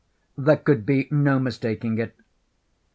There could be no mistaking it.